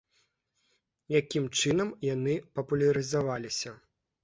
Якім чынам яны папулярызаваліся?